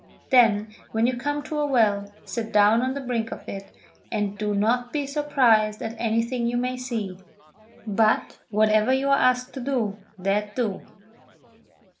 Then, when you come to a well, sit down on the brink of it, do not be surprised at anything you may see, but, whatever you are asked to do, that do!"